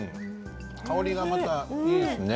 香りがまたいいですね。